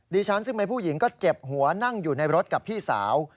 ฉันซึ่งเป็นผู้หญิงก็เจ็บหัวนั่งอยู่ในรถกับพี่สาว